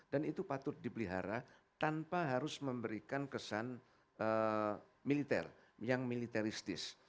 dan itu patut dipelihara tanpa harus memberikan kesan militer yang militeristis